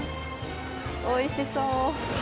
おいしそう。